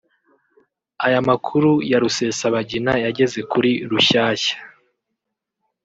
Aya makuru ya Rusesabagina yageze kuri Rushyashya